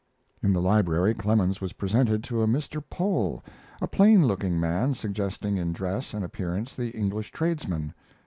In the library Clemens was presented to a Mr. Pole, a plain looking man, suggesting in dress and appearance the English tradesman.